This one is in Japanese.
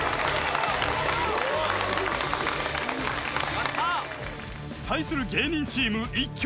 ・やった！